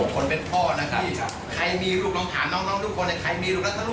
คือด้วยความเข้าใจถึงว่าคุณเสร็จแล้ว